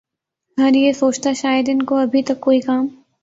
ھر یہ سوچتا شاید ان کو ابھی تک کوئی کام